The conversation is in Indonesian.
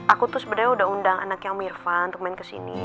aku tuh sebenarnya udah undang anaknya om irvan untuk main ke sini